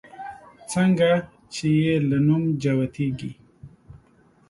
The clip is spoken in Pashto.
څنگه چې يې له نوم جوتېږي